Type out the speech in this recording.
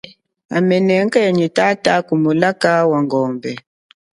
Hamene mungu ya nyi tata ku mulaka wa ngombe.